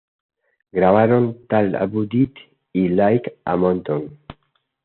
Grabaron "Talk About It" y "Like A Mountain".